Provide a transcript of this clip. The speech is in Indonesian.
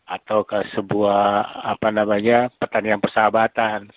atau sebuah apa namanya pertandingan persahabatan